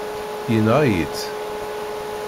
Yenɣa-yi-tt.